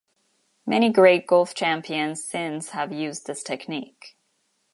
Many great golf champions since have used this technique.